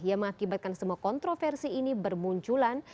yang mengakibatkan semua kontroversi ini bermunculan